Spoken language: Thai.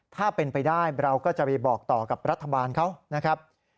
ถ้าเป็นไปได้เราก็จะไปบอกต่อกับรัฐบาลเขานะครับ